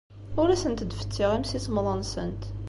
Ur asent-d-fessiɣ imsismeḍ-nsent.